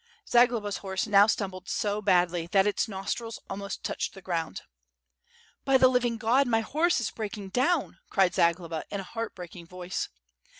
Zagloba's horse now stumbled so badly, that its nostrils almost touched the ground. "By the living God! my horse is breaking down," cried Zagloba in a heart breaking voice.